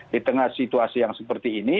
di tengah situasi yang seperti ini